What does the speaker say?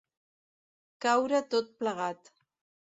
Caure tot plegat.